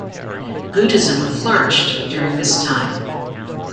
Buddhism flourished during this time.